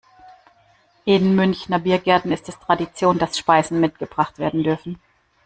In Münchner Biergärten ist es Tradition, dass Speisen mitgebracht werden dürfen.